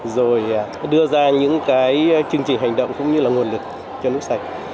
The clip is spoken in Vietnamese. rồi đưa ra những cái chương trình hành động cũng như là nguồn lực cho nước sạch